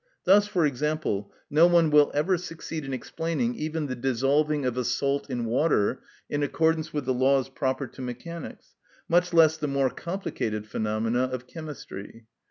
Thus, for example, no one will ever succeed in explaining even the dissolving of a salt in water in accordance with the laws proper to mechanics, much less the more complicated phenomena of chemistry.